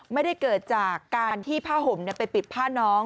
ไม่ได้เกิดจากการที่ผ้าห่มไปปิดผ้าน้อง